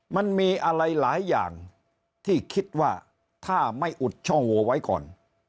มันมีอะไรหลายอย่างที่คิดว่าถ้าไม่อุดช่องโวไว้ก่อน